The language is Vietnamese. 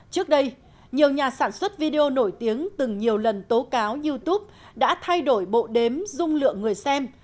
trước đây nhiều nhà sản xuất video nổi tiếng từng nhiều lần tố cáo youtube đã thay đổi bộ đếm dung lượng người xem